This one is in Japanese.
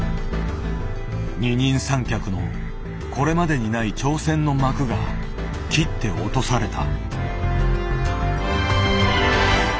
二人三脚のこれまでにない挑戦の幕が切って落とされた。